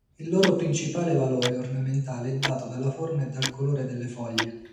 Il loro principale valore ornamentale è dato dalla forma e dal colore delle foglie.